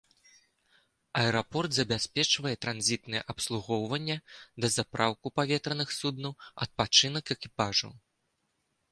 Аэрапорт забяспечвае транзітнае абслугоўванне, дазапраўку паветраных суднаў, адпачынак экіпажаў.